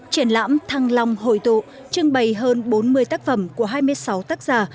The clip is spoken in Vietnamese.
triển lãm thăng long hội tụ trưng bày hơn bốn mươi tác phẩm của hai mươi sáu tác giả